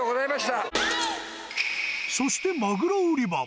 そして、マグロ売り場も。